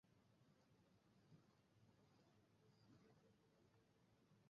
প্রতি বছর, পর্যটকরা বাড়িগুলোর অলংকরণ দেখার জন্য পৌরসভা ভ্রমণ করে।